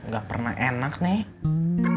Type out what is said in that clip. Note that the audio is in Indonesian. gak pernah enak nek